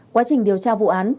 quá trình điều tra vụ án